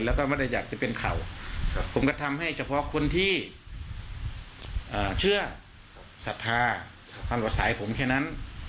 แล้วก็ไม่ได้อยากจะเป็นเขาผมก็ทำให้เฉพาะคนที่เชื่อศรัทธาทำกับสายผมแค่นั้น